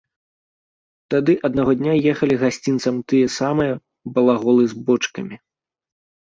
Тады аднаго дня ехалі гасцінцам тыя самыя балаголы з бочкамі.